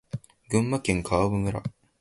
群馬県川場村